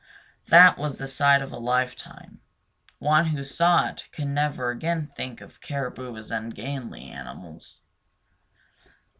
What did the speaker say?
That was the sight of a lifetime. One who saw it could never again think of caribou as ungainly animals.